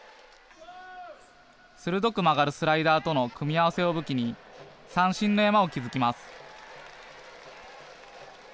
鋭く曲がるスライダーとの組み合わせを武器に三振の山を築きます。